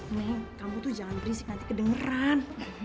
mei kamu tuh jangan berisik nanti kedengeran